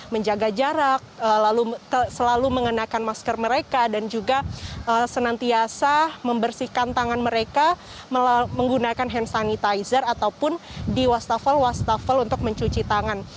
menjaga jarak selalu mengenakan masker mereka dan juga senantiasa membersihkan tangan mereka menggunakan hand sanitizer ataupun di wastafel wastafel untuk mencuci tangan